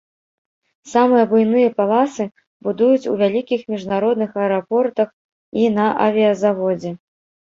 Самыя буйныя паласы будуюць у вялікіх міжнародных аэрапортах і на авіязаводзе.